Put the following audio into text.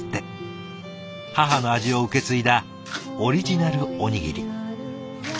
母の味を受け継いだオリジナルおにぎり。